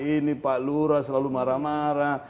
ini pak lura selalu marah marah